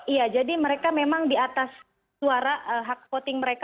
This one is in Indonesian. iya jadi mereka memang di atas suara hak voting mereka